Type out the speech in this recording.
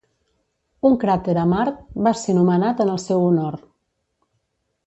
Un cràter a Mart va ser nomenat en el seu honor.